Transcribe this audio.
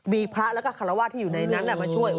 มีพระและคาราวาตที่อยู่ในนั้นแบบมาช่วย